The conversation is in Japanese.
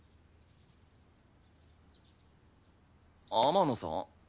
天野さん？